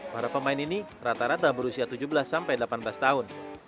para pemain ini rata rata berusia tujuh belas sampai delapan belas tahun